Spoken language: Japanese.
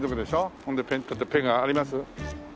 ほんでペン立てペンあります？